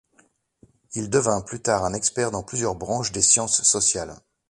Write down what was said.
Il devint plus tard un expert dans plusieurs branches des sciences sociales.